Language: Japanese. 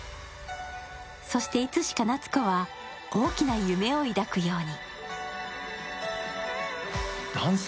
そして、いつしか夏子は大きな夢を抱くように。